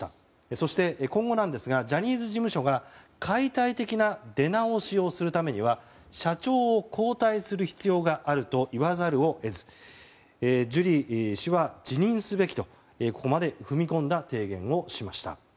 そして、今後なんですがジャニーズ事務所が解体的な出直しをするためには社長を交代する必要があると言わざるを得ずジュリー氏は辞任すべきとここまで踏み込んだ提言をしました。